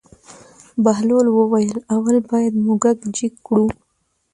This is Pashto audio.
بهلول وویل: اول باید موږک جګ کړو.